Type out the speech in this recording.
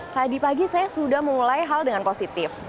tadi pagi saya sudah mulai hal dengan positif